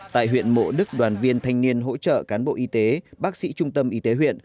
tại huyện mộ đức đoàn viên thanh niên hỗ trợ cán bộ y tế bác sĩ trung tâm y tế huyện